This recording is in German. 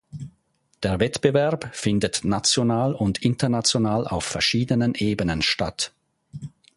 Der Wettbewerb findet national und international auf verschiedenen Ebenen statt.